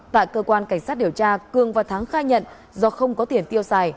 tại cơ quan cảnh sát điều tra cường và thắng khai nhận do không có tiền tiêu xài